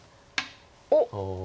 おっ！